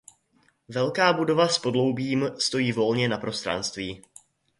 Velká budova s podloubím stojí volně na prostranství.